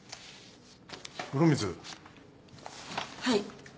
はい。